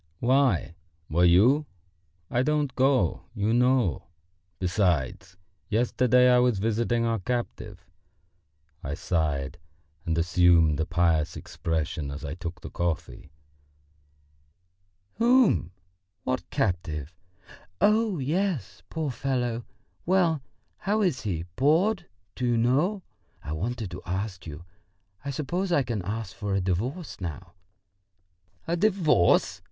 "Why, were you? I don't go, you know. Besides, yesterday I was visiting our captive...." I sighed and assumed a pious expression as I took the coffee. "Whom?... What captive?... Oh, yes! Poor fellow! Well, how is he bored? Do you know ... I wanted to ask you.... I suppose I can ask for a divorce now?" "A divorce!"